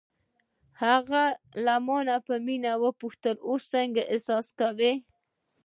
هغې له مانه په مینه وپوښتل: اوس څنګه احساس کوې؟